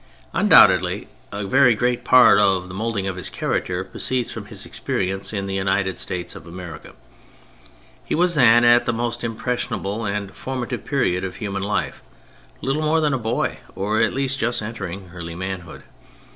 Undoubtedly a very great part in the mould ing of his character proceeded from his experi ence in the United States of America. He was then at the most impressionable and formative period of human life, little more than a boy, or at least just entering early manhood.